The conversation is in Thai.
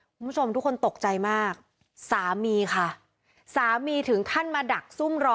คุณผู้ชมทุกคนตกใจมากสามีค่ะสามีถึงขั้นมาดักซุ่มรอ